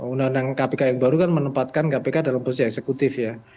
undang undang kpk yang baru kan menempatkan kpk dalam posisi eksekutif ya